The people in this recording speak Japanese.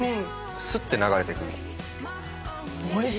すって流れてく。